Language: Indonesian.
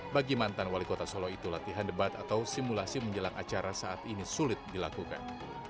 bagi mantan wali kota solo itu latihan debat atau simulasi menjelang acara saat ini sulit dilakukan